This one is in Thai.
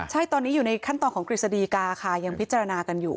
ใช่ตอนนี้อยู่ในขั้นตอนของกฤษฎีกาค่ะยังพิจารณากันอยู่